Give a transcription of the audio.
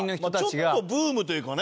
ちょっとブームというかね。